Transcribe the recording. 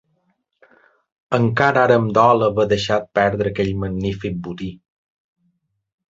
Encara ara em dol haver deixat perdre aquell magnífic botí.